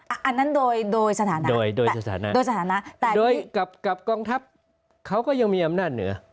อันนั้นโดยโดยสถานะโดยโดยสถานะโดยสถานะแต่โดยกับกองทัพเขาก็ยังมีอำนาจเหนือ